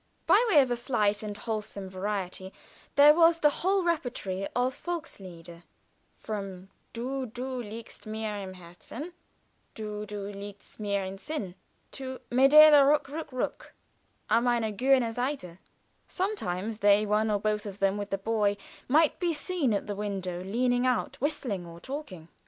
By way of a slight and wholesome variety there was the whole repertory of "Volkslieder," from "Du, du, liegst mir im Herzen; Du, du, liegst mir im Sinn," up to "Mädele, ruck, ruck, ruck An meine grüne Seite." Sometimes they one or both of them with the boy might be seen at the window leaning out, whistling or talking.